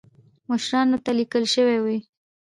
مشرانو ته لیکل شوي وو.